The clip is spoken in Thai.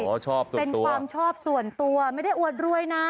โอ้ชอบส่วนตัวเป็นความชอบส่วนตัวไม่ได้อวดรวยน่ะ